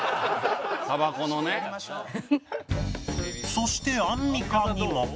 そしてアンミカにも